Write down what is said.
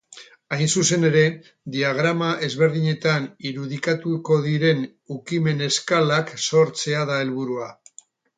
Hain zuzen ere, diagrama ezberdinetan irudikatuko diren ukimen-eskalak sortzea da helburua.